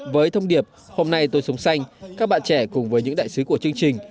với thông điệp hôm nay tôi sống xanh các bạn trẻ cùng với những đại sứ của chương trình